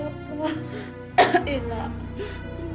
tapi tadi ibu lihat